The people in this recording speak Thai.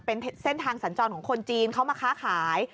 เป็นเส้นทางสัญจรของคนจีนเขามาค้าขาย